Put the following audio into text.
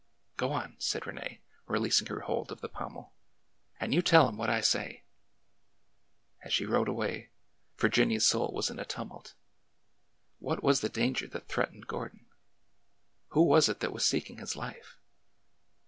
" Go on !" said Rene, releasing her hold of the pommel. '' And you tell him what I say !" As she rode away, Virginia's soul was in a tumult. What was the danger that threatened Gordon ? Who was it that was seeking his life?